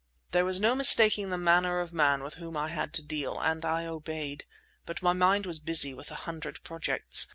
There was no mistaking the manner of man with whom I had to deal, and I obeyed; but my mind was busy with a hundred projects.